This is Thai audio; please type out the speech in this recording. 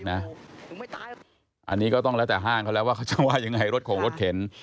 อันนี้ก็ต้องแล้วแต่ห้างเขาแล้วว่าเขาจะว่ายังไงรถของรถเข็น